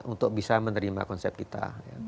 untuk bisa menerima konsep kita